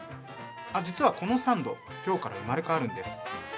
あ、実はこのサンド、今日から生まれ変わるんです。